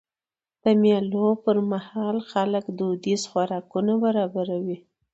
د مېلو پر مهال خلک دودیز خوراکونه برابروي.